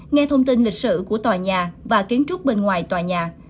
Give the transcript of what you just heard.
nghe thông tin lịch sử của tòa nhà và kiến trúc bên ngoài tòa nhà